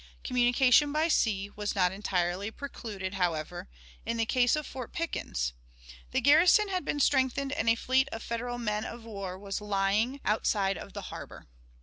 Communication by sea was not entirely precluded, however, in the case of Fort Pickens; the garrison had been strengthened, and a fleet of Federal men of war was lying outside of the harbor.